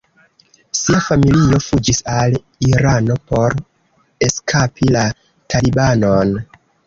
Sia familio fuĝis al Irano por eskapi la Talibanon.